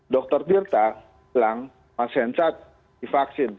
dr tirta bilang mas hensat divaksin